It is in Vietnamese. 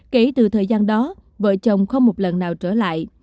kể từ thời gian đó vợ chồng không một lần nào trở lại